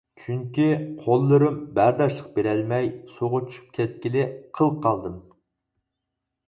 چۈنكى قوللىرىم بەرداشلىق بېرەلمەي سۇغا چۈشۈپ كەتكىلى قىل قالدىم.